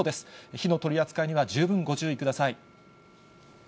火の取り扱いには十分ご注意ください。